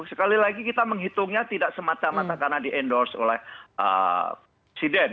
sekali lagi kita menghitungnya tidak semata mata karena di endorse oleh presiden